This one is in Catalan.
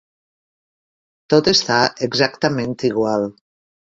Tot està exactament igual.